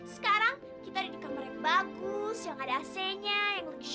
sekarang kita ada kamar yang bagus